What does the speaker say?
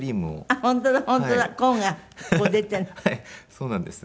そうなんです。